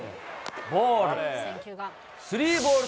ボール。